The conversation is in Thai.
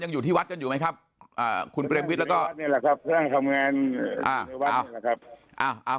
ยังอยู่ที่วัดกันอยู่ไหมครับคุณเบรมวิทย์แล้วก็ทำงานครับ